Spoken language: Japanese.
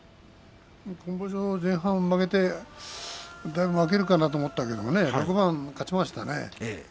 今場所、前半負けてだいぶ負けるかなと思ったけど６番勝ちましたね。